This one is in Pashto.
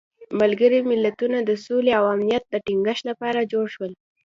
ملګري ملتونه د سولې او امنیت د تینګښت لپاره جوړ شول.